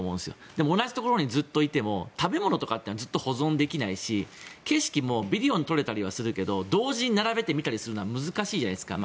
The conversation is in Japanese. でも、同じところにずっといても食べ物とかってずっと保存できないし景色もビデオに撮れたりはするけど同時に並べて見たりするのは難しいじゃないですか。